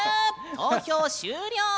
投票終了！